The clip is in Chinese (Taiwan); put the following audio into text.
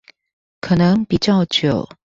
可能比較久